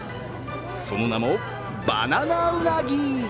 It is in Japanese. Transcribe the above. その名もバナナウナギ。